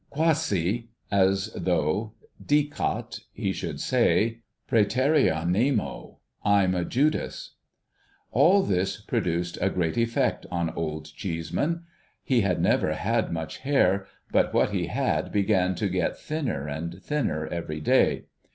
Quasi — as though, dicat — he should say, FrctcBrca nemo — I'm a Judas ! All this produced a great effect on Old Cheeseman. He had never had much hair; but what he had, began to get thinner and thinner every day.